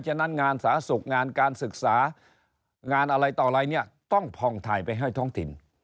ฉะนั้นงานสาธารณสุขงานการศึกษางานอะไรต่ออะไรเนี่ยต้องผ่องถ่ายไปให้ท้องถิ่น